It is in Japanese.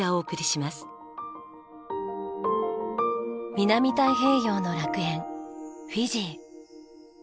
南太平洋の楽園フィジー。